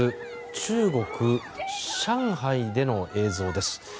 中国・上海での映像です。